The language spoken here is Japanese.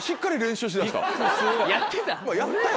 やってた？